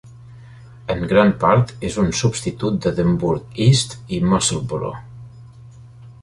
En gran part és un substitut d'Edinburgh East i Musselburgh.